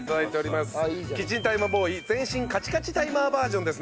キッチンタイマーボーイ全身カチカチタイマーバージョンですね。